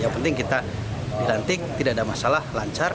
yang penting kita dilantik tidak ada masalah lancar